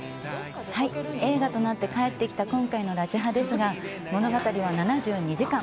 映画となって帰ってきた今回の「ラジハ」ですが物語は７２時間。